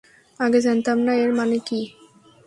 আগে জানতাম না এর মানে কী।